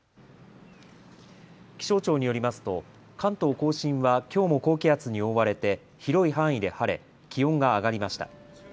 気象庁によりますと関東甲信はきょうも高気圧に覆われて広い範囲で晴れ気温が上がりました。